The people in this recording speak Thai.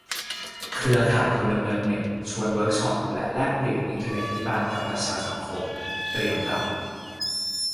เครือข่ายพลเมืองเน็ต ชวนเวิร์กช็อปและแลกเปลี่ยน "อินเทอร์เน็ตภิบาลกับประชาสังคม" เตรียมรับ